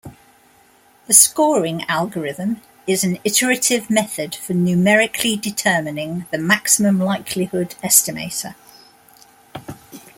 The scoring algorithm is an iterative method for numerically determining the maximum likelihood estimator.